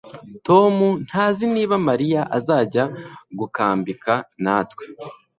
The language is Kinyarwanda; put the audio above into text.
Tom ntazi niba Mariya azajya gukambika natwe